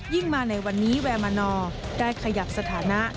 มาในวันนี้แวร์มานอร์ได้ขยับสถานะ